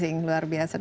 wow luar biasa